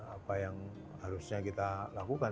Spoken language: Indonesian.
apa yang harusnya kita lakukan